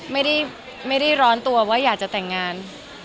ไม่ได้ร้อนตัวว่าอยากจะแต่งงาน